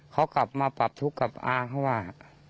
เขากลับมาปรับทุกข์กับอาเขาว่า